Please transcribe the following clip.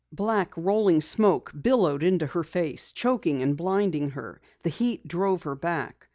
Black, rolling smoke billowed into her face, choking and blinding her. The heat drove her back.